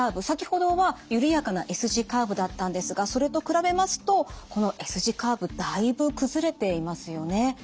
先ほどはゆるやかなＳ字カーブだったんですがそれと比べますとこのＳ字カーブだいぶ崩れていますよね。